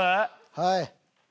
はい。